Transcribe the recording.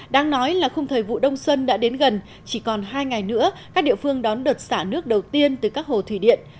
đáng nói là khung thời vụ đông xuân đã đến gần chỉ còn hai ngày nữa các địa phương đón đợt xả nước đầu tiên từ các hồ thủy điện